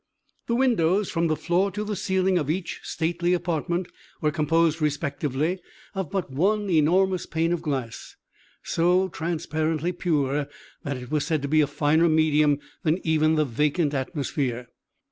The windows, from the floor to the ceiling of each stately apartment, were composed, respectively, of but one enormous pane of glass, so transparently pure that it was said to be a finer medium than even the vacant atmosphere.